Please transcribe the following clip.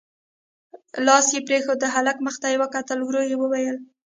لاس يې پرېښود، د هلک مخ ته يې وکتل، ورو يې وويل: